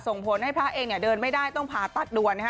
ส่งผลให้พระเองเดินไม่ได้ต้องผ่าตัดด่วนนะฮะ